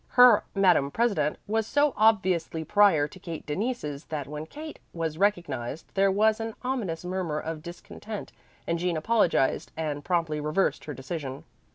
Her "madame president" was so obviously prior to Kate Denise's that when Kate was recognized there was an ominous murmur of discontent and Jean apologized and promptly reversed her decision.